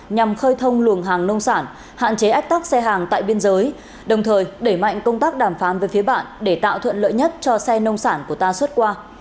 nhằm khơi thông luồng hàng nông sản hạn chế ách tắc xe hàng tại biên giới đồng thời đẩy mạnh công tác đàm phán với phía bạn để tạo thuận lợi nhất cho xe nông sản của ta suốt qua